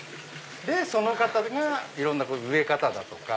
でその方がいろんなこういう植え方だとか。